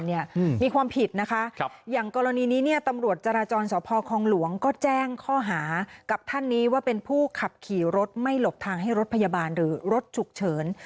เนี่ยมีความผิดนะคะครับอย่างกรณีนี้เนี่ยตำรวจจราจรสพคองหลวงก็แจ้งข้อหากับท่านนี้ว่าเป็นผู้ขับขี่รถไม่หลบทางให้รถพยาบาลหรือรถฉุกเฉิน